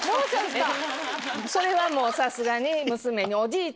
それはもうさすがに娘に。